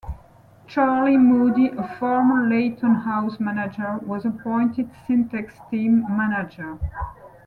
Charlie Moody, a former Leyton House manager, was appointed Simtek's team manager.